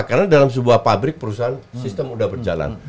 karena dalam sebuah pabrik perusahaan sistem udah berjalan